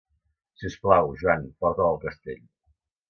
Si us plau, Joan porta-la al castell.